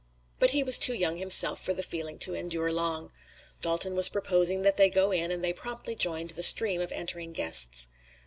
But he was too young himself for the feeling to endure long. Dalton was proposing that they go in and they promptly joined the stream of entering guests.